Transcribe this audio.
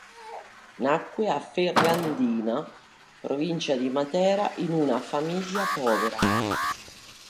Nacque a Ferrandina, provincia di Matera, in una famiglia povera.